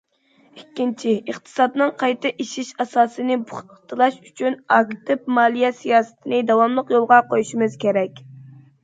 ئىككىنچى، ئىقتىسادنىڭ قايتا ئېشىش ئاساسىنى پۇختىلاش ئۈچۈن، ئاكتىپ مالىيە سىياسىتىنى داۋاملىق يولغا قويۇشىمىز كېرەك.